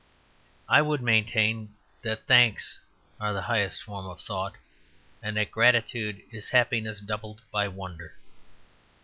I would maintain that thanks are the highest form of thought; and that gratitude is happiness doubled by wonder.